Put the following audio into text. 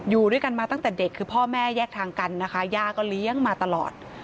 อยู่ด้วยกันมาตั้งแต่เด็กคือพ่อแม่แยกทางกันนะคะย่าก็เลี้ยงมาตลอด